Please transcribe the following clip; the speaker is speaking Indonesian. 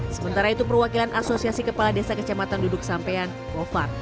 sementara itu perwakilan asosiasi kepala desa kecamatan duduk sampean govar